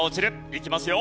いきますよ。